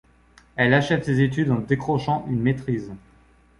Elle achève ses études en décrochant une maîtrise.